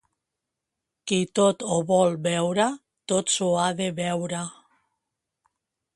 Qui tot ho vol veure, tot s'ho ha de beure.